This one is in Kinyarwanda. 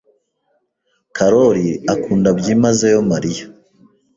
Karoli akunda byimazeyo Mariya.